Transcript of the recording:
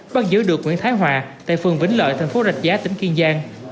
bắt giữ được nguyễn thái hòa tại phường vĩnh lợi thành phố rạch giá tỉnh kiên giang